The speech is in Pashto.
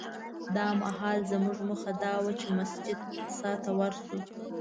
دا مهال زموږ موخه دا وه چې مسجد اقصی ته ورشو.